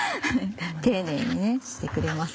丁寧にしてくれます。